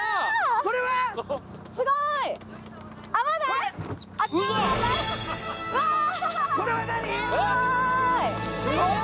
これは何⁉すごい！